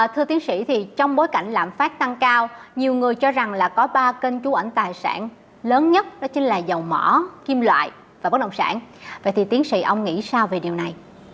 thưa tiến sĩ trong bối cảnh lãm phát tăng cao nhiều người cho rằng có ba kênh trú ảnh tài sản lớn nhất đó chính là dầu mỏ kim loại và bất động sản vậy thì tiến sĩ ông nghĩ sao về điều này